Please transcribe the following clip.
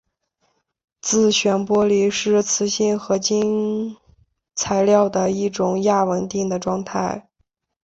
自旋玻璃是磁性合金材料的一种亚稳定的状态。